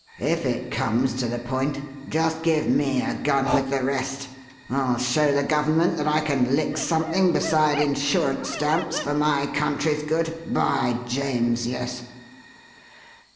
If it comes to the point, just give me a gun with the rest. I'll show the Government that I can lick something beside insurance stamps for my country's good by James, yes!"